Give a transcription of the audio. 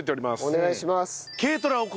お願いします。